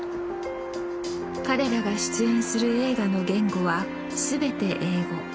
彼らが出演する映画の言語は全て英語。